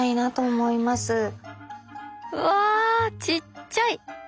うわちっちゃい！